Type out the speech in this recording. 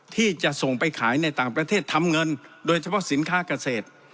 ที่จะส่งไปขายในต่างประเทศทำเงินโดยเฉพาะสินค้าเกษตร